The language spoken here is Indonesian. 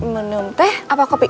menu teh atau kopi